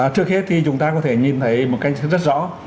trước hết thì chúng ta có thể nhìn thấy một cách rất rõ